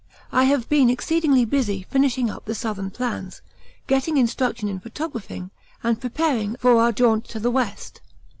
I have been exceedingly busy finishing up the Southern plans, getting instruction in photographing, and preparing for our jaunt to the west.